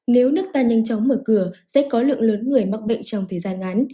nếu nước ta nhanh chóng mở cửa sẽ có lượng lớn người mắc bệnh trong thời gian ngắn